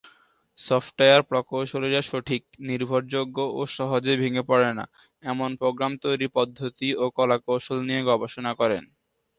Software প্রকৌশলীরা সঠিক, নির্ভরযোগ্য ও সহজে ভেঙ্গে পড়ে না, এমন প্রোগ্রাম তৈরির পদ্ধতি ও কলাকৌশল নিয়ে গবেষণা করেন।